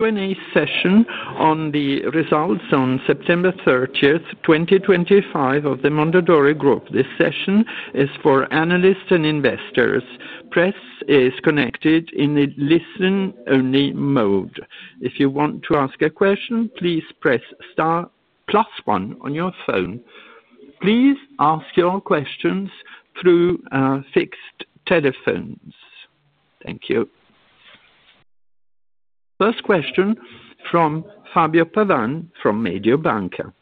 Q&A session on the results on September 30, 2025, of the Mondadori Group. This session is for analysts and investors. Press is connected in the listen-only mode. If you want to ask a question, please press star plus one on your phone. Please ask your questions through fixed telephones. Thank you. First question from Fabio Pavan from Mediobanca.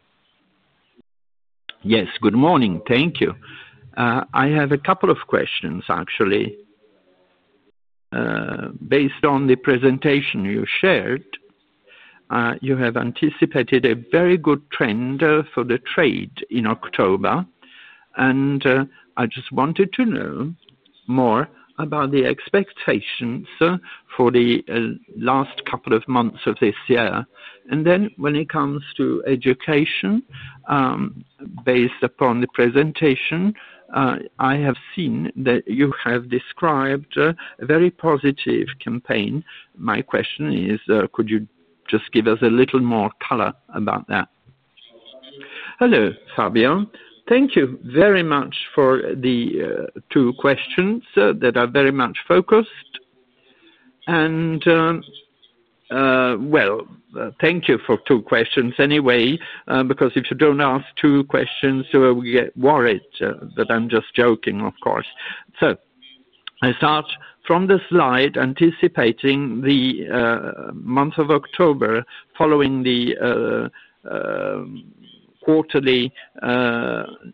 Yes, good morning. Thank you. I have a couple of questions, actually. Based on the presentation you shared, you have anticipated a very good trend for the trade in October, and I just wanted to know more about the expectations for the last couple of months of this year. Then when it comes to education, based upon the presentation, I have seen that you have described a very positive campaign. My question is, could you just give us a little more color about that? Hello, Fabio. Thank you very much for the two questions that are very much focused. Thank you for two questions anyway, because if you do not ask two questions, we get worried that—I'm just joking, of course. I start from the slide anticipating the month of October following the quarterly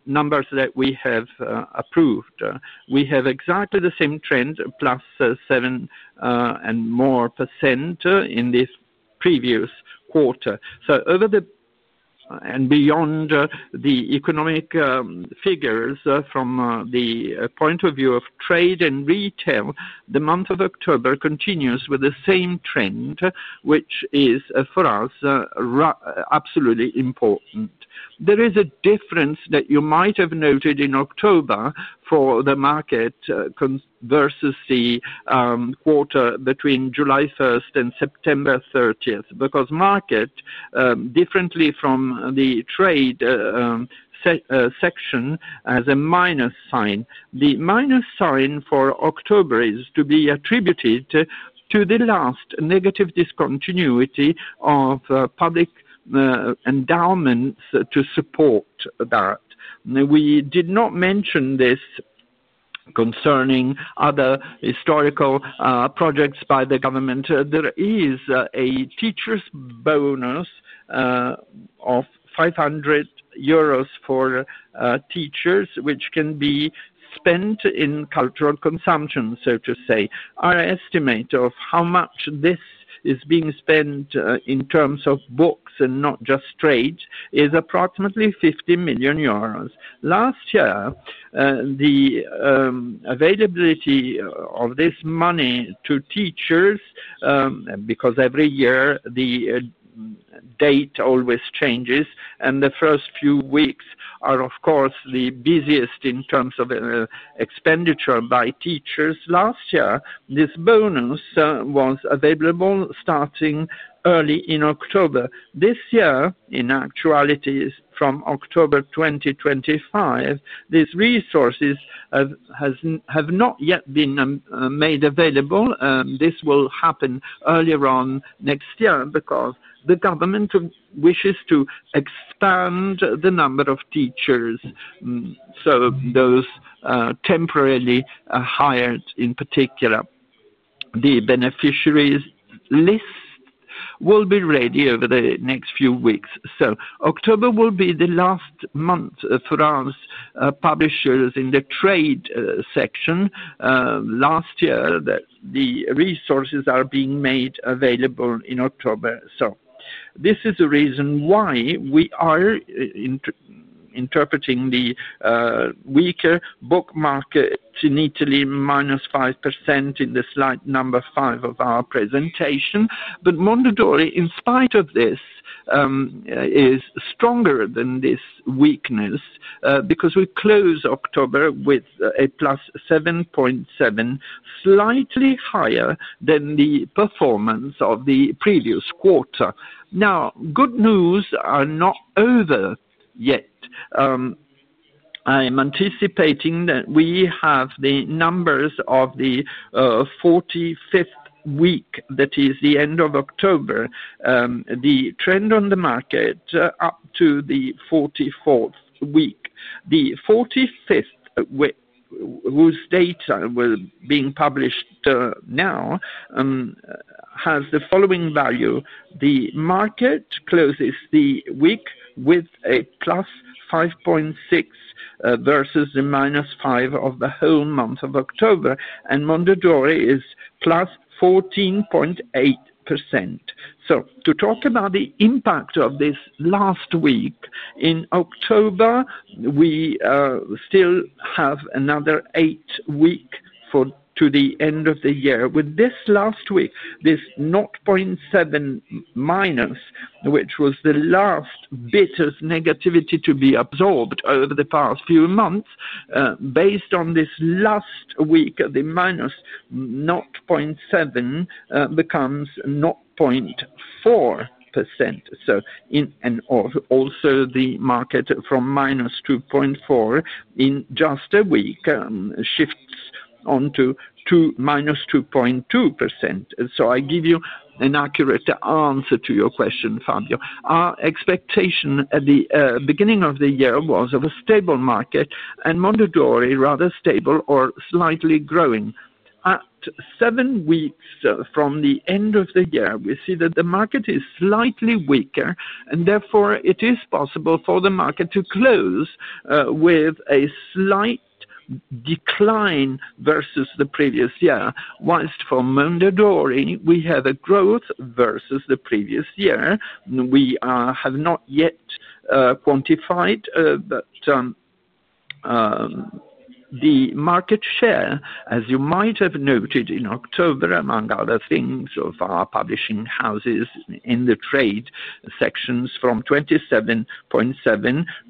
numbers that we have approved. We have exactly the same trend, plus 7% and more in this previous quarter. Over and beyond the economic figures from the point of view of trade and retail, the month of October continues with the same trend, which is for us absolutely important. There is a difference that you might have noted in October for the market versus the quarter between July 1 and September 30, because market, differently from the trade section, has a minus sign. The minus sign for October is to be attributed to the last negative discontinuity of public endowments to support that. We did not mention this concerning other historical projects by the government. There is a teacher's bonus of 500 euros for teachers, which can be spent in cultural consumption, so to say. Our estimate of how much this is being spent in terms of books and not just trade is approximately 50 million euros. Last year, the availability of this money to teachers, because every year the date always changes, and the first few weeks are, of course, the busiest in terms of expenditure by teachers. Last year, this bonus was available starting early in October. This year, in actuality, from October 2025, these resources have not yet been made available. This will happen earlier on next year because the government wishes to expand the number of teachers, so those temporarily hired in particular. The beneficiaries' list will be ready over the next few weeks. October will be the last month for us publishers in the trade section. Last year, the resources are being made available in October. This is the reason why we are interpreting the weaker book market in Italy, minus 5% in slide number five of our presentation. Mondadori, in spite of this, is stronger than this weakness because we close October with a plus 7.7%, slightly higher than the performance of the previous quarter. Now, good news are not over yet. I am anticipating that we have the numbers of the 45th week, that is the end of October, the trend on the market up to the 44th week. The 45th, whose data were being published now, has the following value. The market closes the week with a plus 5.6% versus the minus 5% of the whole month of October, and Mondadori is plus 14.8%. To talk about the impact of this last week, in October, we still have another eight weeks to the end of the year. With this last week, this 0.7 minus, which was the last bit of negativity to be absorbed over the past few months, based on this last week, the minus 0.7 becomes 0.4%. In and also the market from minus 2.4 in just a week shifts onto minus 2.2%. I give you an accurate answer to your question, Fabio. Our expectation at the beginning of the year was of a stable market and Mondadori rather stable or slightly growing. At seven weeks from the end of the year, we see that the market is slightly weaker, and therefore it is possible for the market to close with a slight decline versus the previous year. Whilst for Mondadori, we have a growth versus the previous year. We have not yet quantified, but the market share, as you might have noted in October, among other things of our publishing houses in the trade sections from 27.7%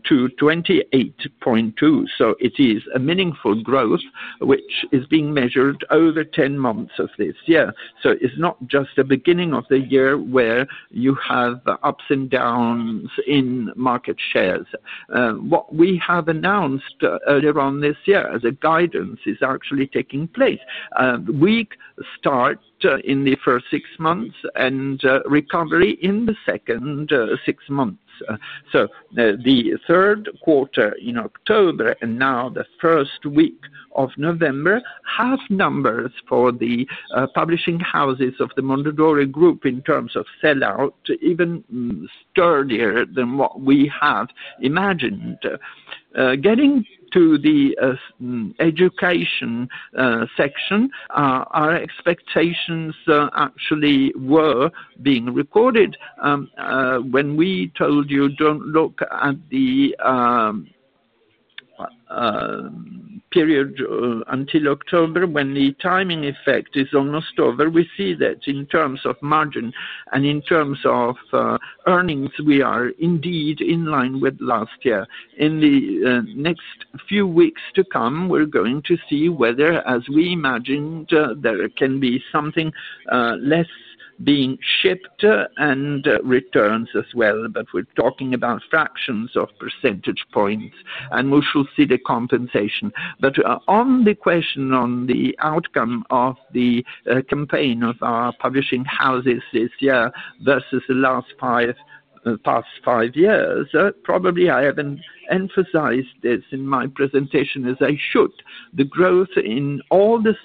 to 28.2%. It is a meaningful growth, which is being measured over 10 months of this year. It is not just the beginning of the year where you have the ups and downs in market shares. What we have announced earlier on this year as a guidance is actually taking place. Weak start in the first six months and recovery in the second six months. The Third Quarter in October and now the first week of November have numbers for the publishing houses of the Mondadori Group in terms of sellout even sturdier than what we have imagined. Getting to the education section, our expectations actually were being recorded. When we told you don't look at the period until October when the timing effect is almost over, we see that in terms of margin and in terms of earnings, we are indeed in line with last year. In the next few weeks to come, we're going to see whether, as we imagined, there can be something less being shipped and returns as well. We're talking about fractions of percentage points, and we shall see the compensation. On the question on the outcome of the campaign of our publishing houses this year versus the last past five years, probably I haven't emphasized this in my presentation as I should. The growth in all the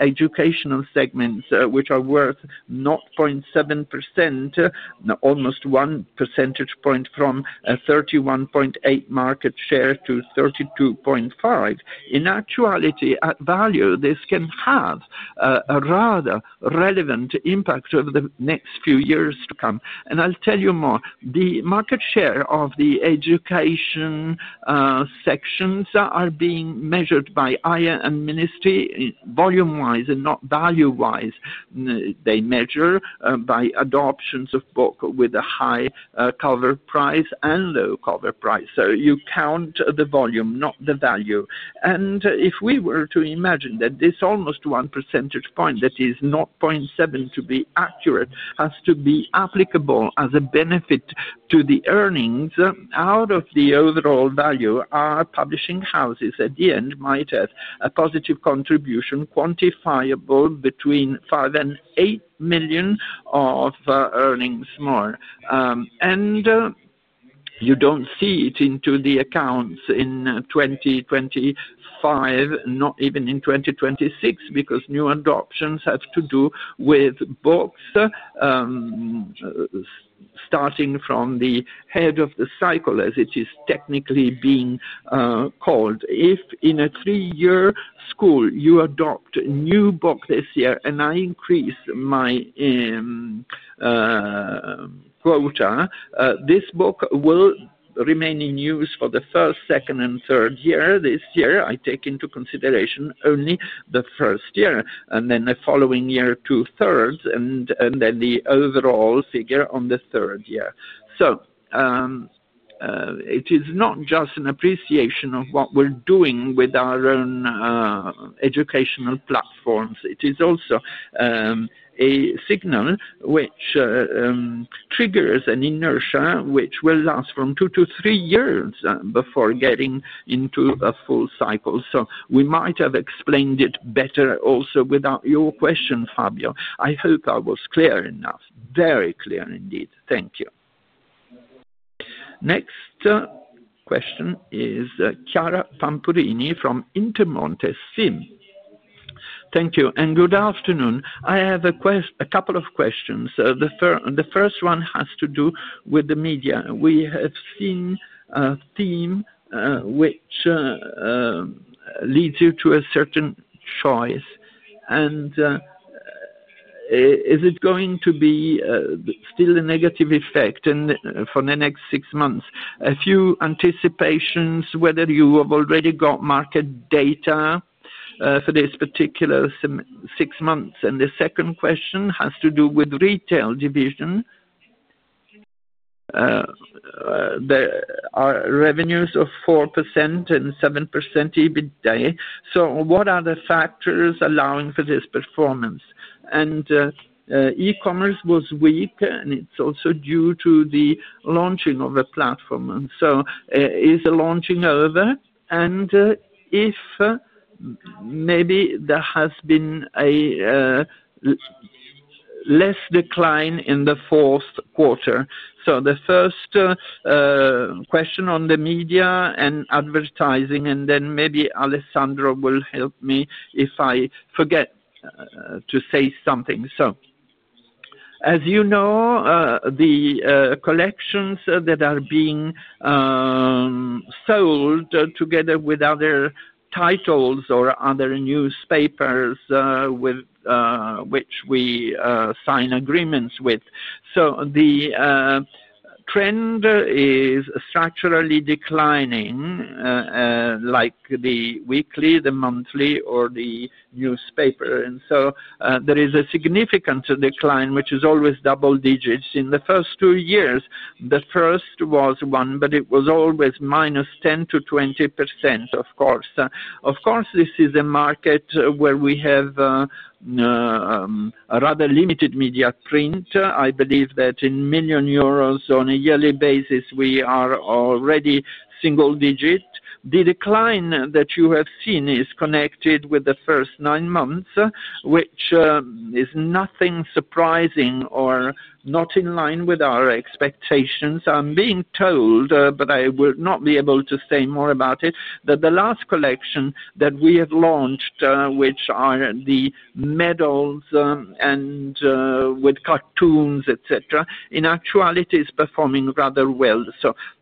educational segments, which are worth 0.7%, almost one percentage point from 31.8% market share to 32.5%. In actuality, at value, this can have a rather relevant impact over the next few years to come. I'll tell you more. The market share of the education sections are being measured by AIE ministry volume-wise and not value-wise. They measure by adoptions of books with a high cover price and low cover price. You count the volume, not the value. If we were to imagine that this almost one percentage point, that is 0.7 to be accurate, has to be applicable as a benefit to the earnings, out of the overall value, our publishing houses at the end might have a positive contribution quantifiable between 5 million and 8 million of earnings more. You do not see it in the accounts in 2025, not even in 2026, because new adoptions have to do with books starting from the head of the cycle, as it is technically being called. If in a three-year school you adopt a new book this year and I increase my quota, this book will remain in use for the first, second, and third year this year. I take into consideration only the first year and then the following year two-thirds and then the overall figure on the third year. It is not just an appreciation of what we're doing with our own educational platforms. It is also a signal which triggers an inertia which will last from two to three years before getting into a full cycle. We might have explained it better also without your question, Fabio. I hope I was clear enough, very clear indeed. Thank you. Next question is Chiara Pampurini from Intermonte SIM. Thank you. Good afternoon. I have a couple of questions. The first one has to do with the media. We have seen a theme which leads you to a certain choice. Is it going to be still a negative effect for the next six months? A few anticipations whether you have already got market data for this particular six months. The second question has to do with retail division. There are revenues of 4% to 7% EBITDA. What are the factors allowing for this performance? E-commerce was weak, and it is also due to the launching of a platform. Is the launching over? Has there been a less decline in the fourth quarter? The first question on the media and advertising, and then maybe Alessandro will help me if I forget to say something. As you know, the collections that are being sold together with other titles or other newspapers with which we sign agreements with. The trend is structurally declining, like the weekly, the monthly, or the newspaper. There is a significant decline, which is always double digits in the first two years. The first was one, but it was always minus 10% to 20%, of course. This is a market where we have a rather limited media print. I believe that in million euros on a yearly basis, we are already single digit. The decline that you have seen is connected with the first nine months, which is nothing surprising or not in line with our expectations. I am being told, but I will not be able to say more about it, that the last collection that we have launched, which are the medals and with cartoons, etc., in actuality is performing rather well.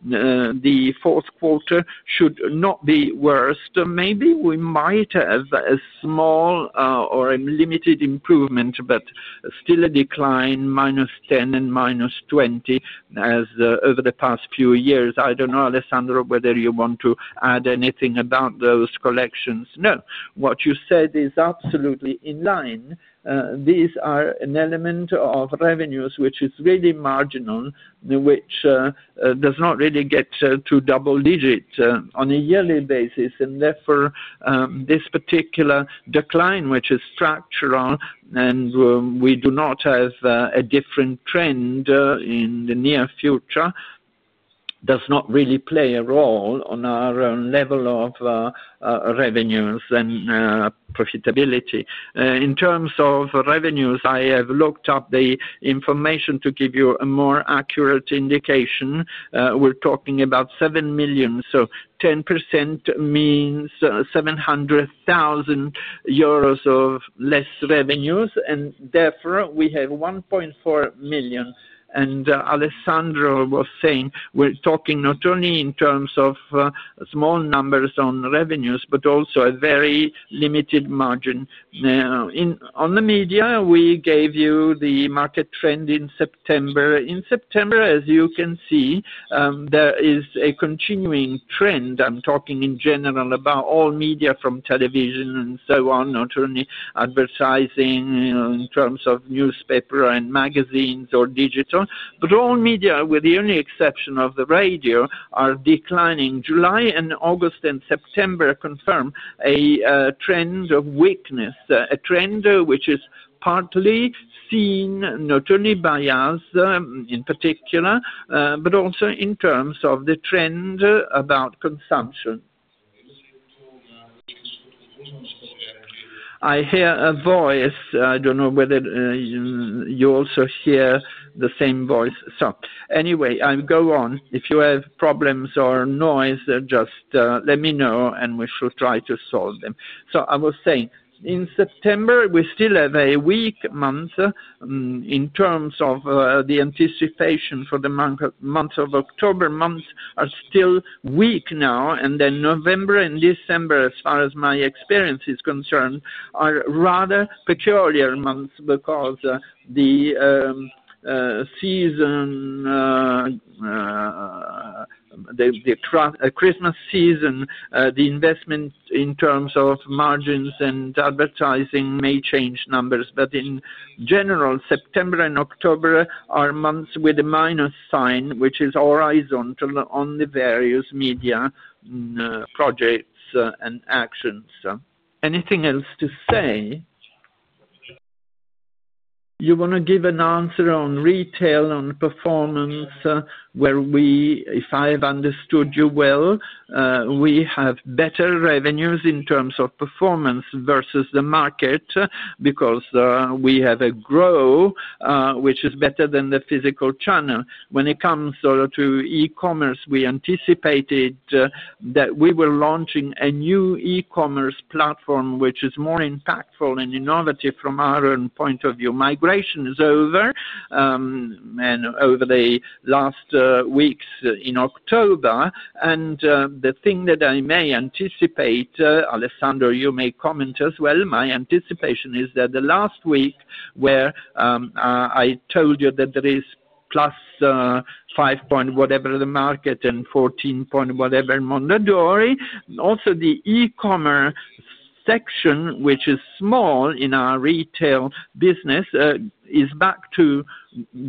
The fourth quarter should not be worse. Maybe we might have a small or a limited improvement, but still a decline, minus 10% and minus 20% over the past few years. I don't know, Alessandro, whether you want to add anything about those collections. No. What you said is absolutely in line. These are an element of revenues which is really marginal, which does not really get to double digit on a yearly basis. Therefore, this particular decline, which is structural and we do not have a different trend in the near future, does not really play a role on our level of revenues and profitability. In terms of revenues, I have looked up the information to give you a more accurate indication. We're talking about 7 million. 10% means 700,000 euros of less revenues. Therefore, we have 1.4 million. Alessandro was saying we're talking not only in terms of small numbers on revenues, but also a very limited margin. On the media, we gave you the market trend in September. In September, as you can see, there is a continuing trend. I'm talking in general about all media from television and so on, not only advertising in terms of newspaper and magazines or digital. All media, with the only exception of the radio, are declining. July and August and September confirm a trend of weakness, a trend which is partly seen not only by us in particular, but also in terms of the trend about consumption. I hear a voice. I don't know whether you also hear the same voice. Anyway, I'll go on. If you have problems or noise, just let me know and we shall try to solve them. I was saying in September, we still have a weak month in terms of the anticipation for the month of October. Months are still weak now. November and December, as far as my experience is concerned, are rather peculiar months because the season, the Christmas season, the investment in terms of margins and advertising may change numbers. In general, September and October are months with a minus sign, which is horizontal on the various media projects and actions. Anything else to say? You want to give an answer on retail and performance where we, if I have understood you well, we have better revenues in terms of performance versus the market because we have a grow, which is better than the physical channel. When it comes to e-commerce, we anticipated that we were launching a new e-commerce platform, which is more impactful and innovative from our own point of view. Migration is over and over the last weeks in October. The thing that I may anticipate, Alessandro, you may comment as well, my anticipation is that the last week where I told you that there is plus 5 point whatever the market and 14 point whatever Mondadori, also the e-commerce section, which is small in our retail business, is back to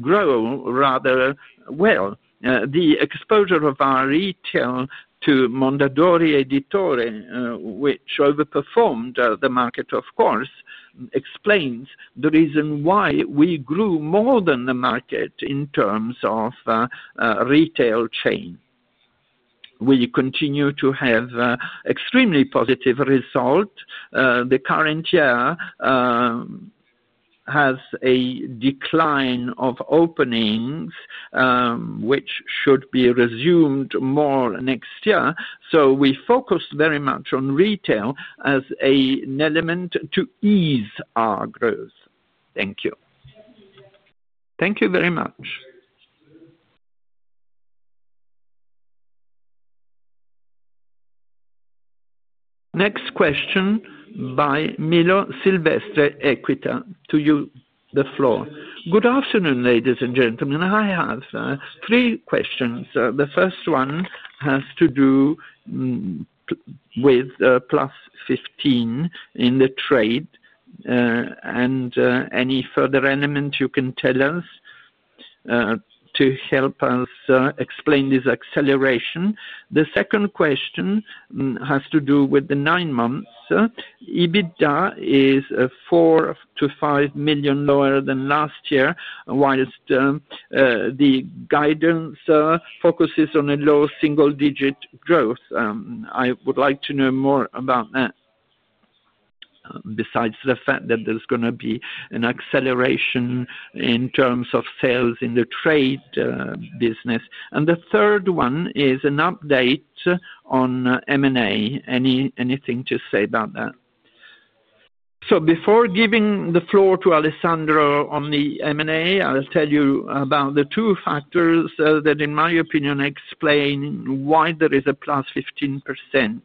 grow rather well. The exposure of our retail to Mondadori Editore, which overperformed the market, of course, explains the reason why we grew more than the market in terms of retail chain. We continue to have extremely positive results. The current year has a decline of openings, which should be resumed more next year. We focused very much on retail as an element to ease our growth. Thank you. Thank you very much. Next question by Milo Silvestre, Equita. To you, the floor. Good afternoon, ladies and gentlemen. I have three questions. The first one has to do with plus 15% in the trade. Any further element you can tell us to help us explain this acceleration? The second question has to do with the nine months. EBITDA is 4 to 5 million lower than last year, whilst the guidance focuses on a low single-digit growth. I would like to know more about that, besides the fact that there is going to be an acceleration in terms of sales in the trade business. The third one is an update on M&A. Anything to say about that? Before giving the floor to Alessandro on the M&A, I'll tell you about the two factors that, in my opinion, explain why there is a +15%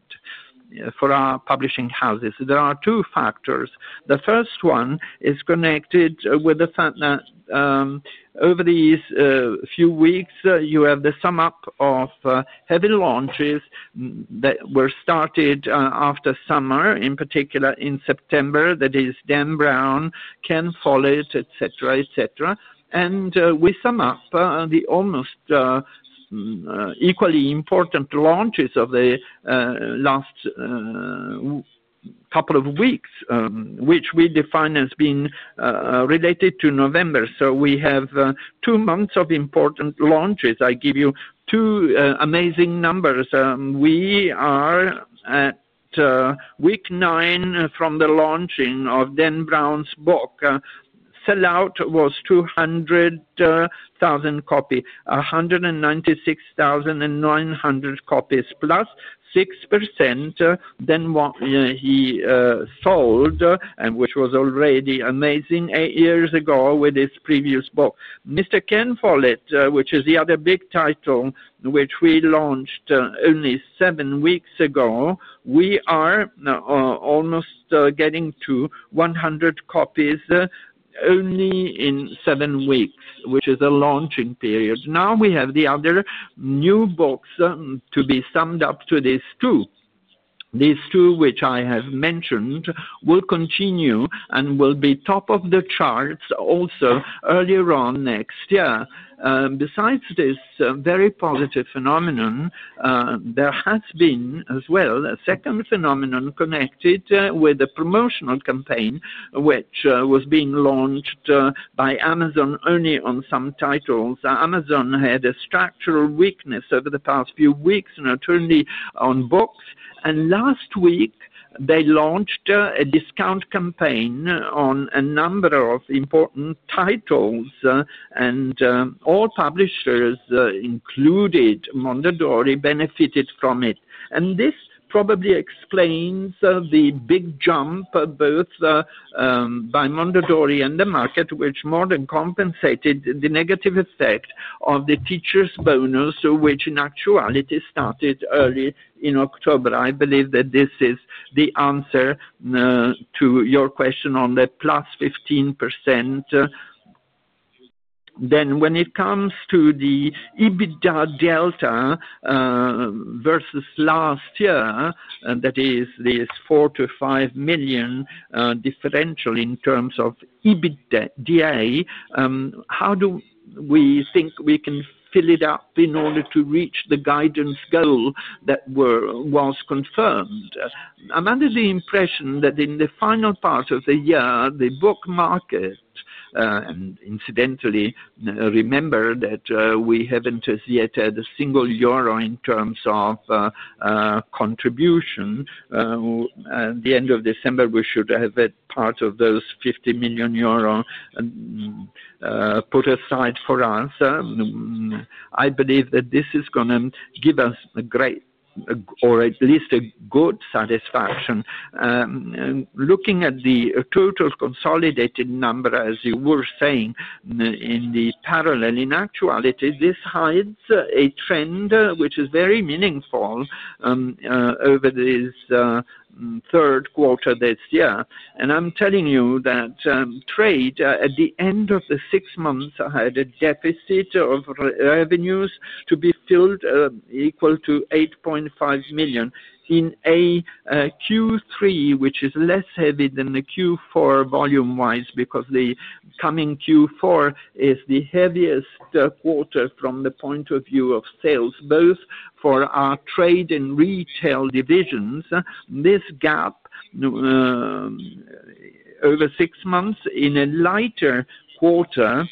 for our publishing houses. There are two factors. The first one is connected with the fact that over these few weeks, you have the sum up of heavy launches that were started after summer, in particular in September. That is Dan Brown, Ken Follett, etc., etc. We sum up the almost equally important launches of the last couple of weeks, which we define as being related to November. We have two months of important launches. I give you two amazing numbers. We are at week nine from the launching of Dan Brown's book. Sell out was 200,000 copies, 196,900 copies, +6% than what he sold, which was already amazing eight years ago with his previous book. Mr. Ken Follett, which is the other big title which we launched only seven weeks ago, we are almost getting to 100,000 copies only in seven weeks, which is a launching period. Now we have the other new books to be summed up to these two. These two, which I have mentioned, will continue and will be top of the charts also earlier on next year. Besides this very positive phenomenon, there has been as well a second phenomenon connected with a promotional campaign which was being launched by Amazon only on some titles. Amazon had a structural weakness over the past few weeks, not only on books. Last week, they launched a discount campaign on a number of important titles. All publishers, including Mondadori, benefited from it. This probably explains the big jump both by Mondadori and the market, which more than compensated the negative effect of the teacher's bonus, which in actuality started early in October. I believe that this is the answer to your question on the +15%. When it comes to the EBITDA delta versus last year, that is this 4 million to 5 million differential in terms of EBITDA, how do we think we can fill it up in order to reach the guidance goal that was confirmed? I'm under the impression that in the final part of the year, the book market, and incidentally, remember that we haven't yet had a single euro in terms of contribution. At the end of December, we should have had part of those 50 million euro put aside for us. I believe that this is going to give us a great or at least a good satisfaction. Looking at the total consolidated number, as you were saying in the parallel, in actuality, this hides a trend which is very meaningful over this third quarter this year. I am telling you that trade at the end of the six months had a deficit of revenues to be filled equal to 8.5 million in a Q3, which is less heavy than the Q4 volume-wise because the coming Q4 is the heaviest quarter from the point of view of sales. Both for our trade and retail divisions, this gap over six months in a lighter quarter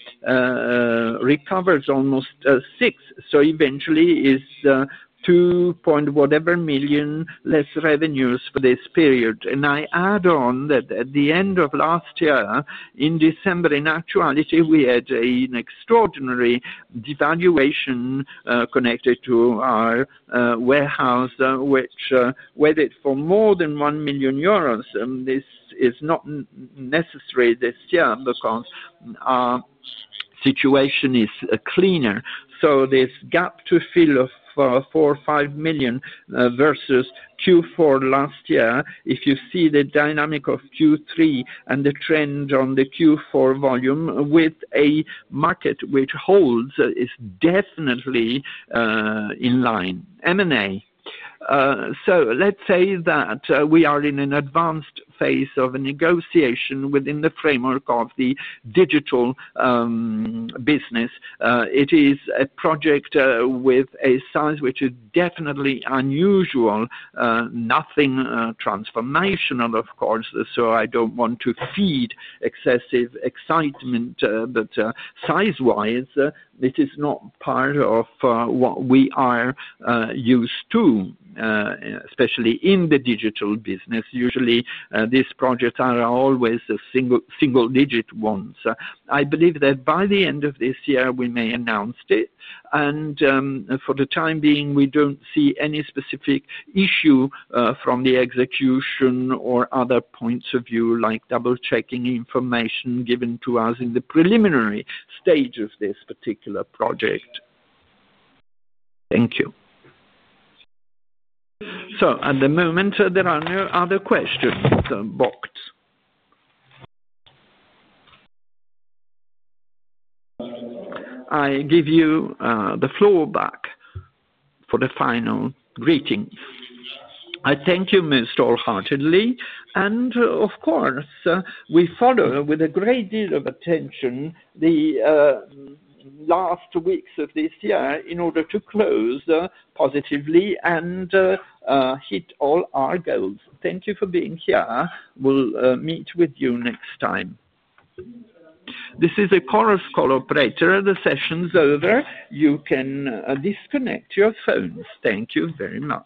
recovers almost 6 million. Eventually, it is 2 point whatever million less revenues for this period. I add on that at the end of last year, in December, in actuality, we had an extraordinary devaluation connected to our warehouse, which weighed in for more than 1 million euros. This is not necessary this year because our situation is cleaner. This gap to fill of 4 to 5 million versus Q4 last year, if you see the dynamic of Q3 and the trend on the Q4 volume with a market which holds, is definitely in line. M&A. Let's say that we are in an advanced phase of a negotiation within the framework of the digital business. It is a project with a size which is definitely unusual, nothing transformational, of course. I do not want to feed excessive excitement, but size-wise, this is not part of what we are used to, especially in the digital business. Usually, these projects are always single-digit ones. I believe that by the end of this year, we may announce it. For the time being, we do not see any specific issue from the execution or other points of view, like double-checking information given to us in the preliminary stage of this particular project. Thank you. At the moment, there are no other questions boxed. I give you the floor back for the final greeting. I thank you most all-heartedly. Of course, we follow with a great deal of attention the last weeks of this year in order to close positively and hit all our goals. Thank you for being here. We will meet with you next time. This is a chorus call operator. The session is over. You can disconnect your phones. Thank you very much.